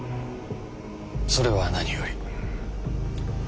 それは何より。